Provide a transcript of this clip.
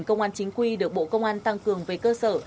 sáu mươi công an chính quy được bộ công an tăng cường về cơ sở